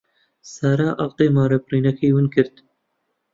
سارا ئەڵقەی مارەبڕینەکەی ون کرد.